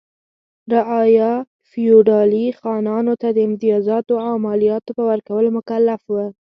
رعایا فیوډالي خانانو ته د امتیازاتو او مالیاتو په ورکولو مکلف و.